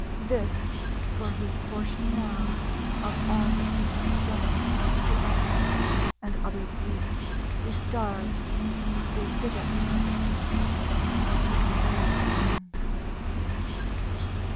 This, for his portion now, of all that he hath done. He earns; and others eat. He starves; they sit at meat Who have taken away the Sun.